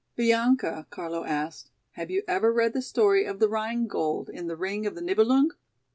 "Bianca," Carlo asked, "have you ever read the story of the Rheingold in the Ring of the Nibelung?